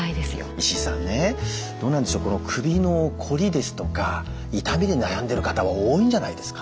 石井さんねどうなんでしょう首のこりですとか痛みに悩んでる方多いんじゃないですか？